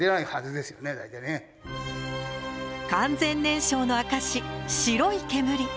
完全燃焼の証し白い煙。